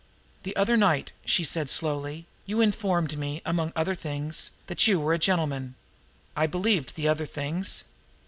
"The other night," she said slowly, "you informed me, among other things, that you were a gentleman. I believed the other things."